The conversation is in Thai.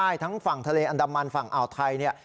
ใช่ทั้งฝั่งทะเลอันดามันฝั่งอ่าวไทยเนี่ย